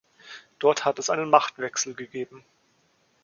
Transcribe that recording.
Dort hat es einen Machtwechsel gegeben.